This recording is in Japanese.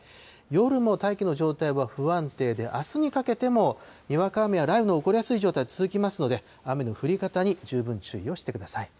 夜も大気の状態は不安定で、あすにかけてもにわか雨や雷雨の起こりやすい状態続きますので、雨の降り方に十分注意をしてください。